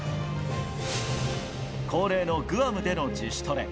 恒例のグアムでの自主トレ。